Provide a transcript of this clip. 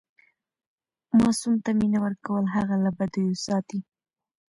ماسوم ته مینه ورکول هغه له بدیو ساتي.